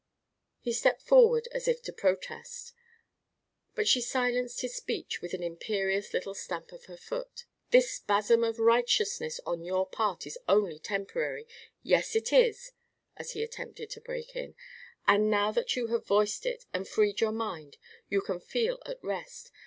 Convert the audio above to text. He stepped forward as if to protest, but she silenced his speech with an imperious little stamp of her foot. "This spasm of righteousness on your part is only temporary yes it is" as he attempted to break in "and now that you have voiced it and freed your mind, you can feel at rest.